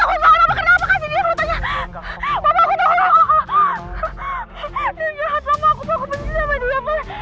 aku benci sama dia